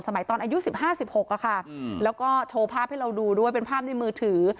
ตอนอายุ๑๕๑๖ค่ะแล้วก็โชว์ภาพให้เราดูด้วยเป็นภาพในมือถือ